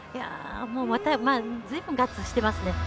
ずいぶんガッツしてますね。